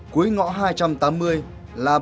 cuối ngõ hai trăm tám mươi là bãi tập kết vật liệu